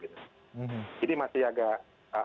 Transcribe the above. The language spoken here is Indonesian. jadi masih agak